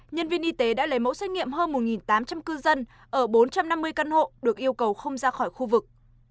nhân viên y tế đã lấy mẫu xét nghiệm hơn một tám trăm linh cư dân ở bốn trăm năm mươi căn hộ được yêu cầu không ra khỏi khu vực